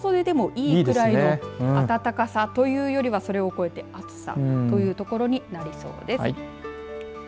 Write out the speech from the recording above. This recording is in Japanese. もう半袖でもいいぐらいの暖かさというよりはそれを超えて暑さというところになりそうです。